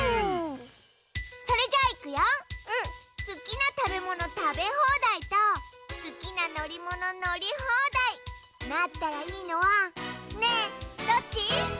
すきなたべものたべほうだいとすきなのりもののりほうだいなったらいいのはねえどっち？